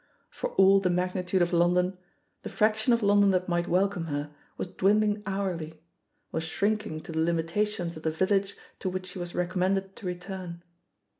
For all the magnitude of London, the fraction of London that might welcome her was «04 THE POSITION OF PEGGY HARPER dwindling hourly, was shrinking to the limitsp tions of the village to which she was recom mended to return.